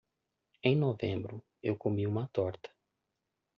Em novembro, eu comi uma torta.